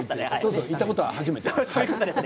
行ったことはないです。